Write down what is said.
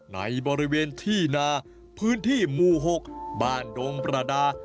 ในบริเวณที่นาพื้นที่หมู่๖บ้านดงประดา